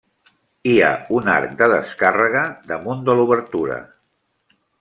Hi ha un arc de descàrrega damunt de l'obertura.